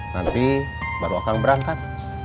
nanti baru akang berangkat